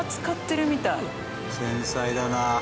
繊細だな。